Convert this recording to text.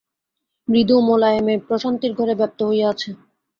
মৃদু মোলেয়েম প্রশান্তি ঘরে ব্যাপ্ত হইয়া আছে।